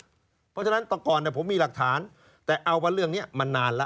เพราะฉะนั้นแต่ก่อนผมมีหลักฐานแต่เอาว่าเรื่องนี้มันนานแล้ว